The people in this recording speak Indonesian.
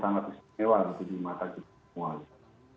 sangat istimewa di mata kita semua